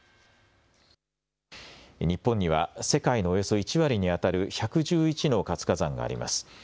日本には世界のおよそ１割にあたる１１１の活火山があります。